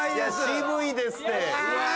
・渋いですって。